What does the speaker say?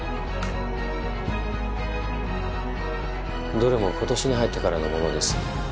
どれも今年に入ってからのものです。